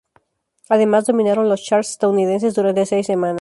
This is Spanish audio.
Además dominaron los charts estadounidenses durante seis semanas.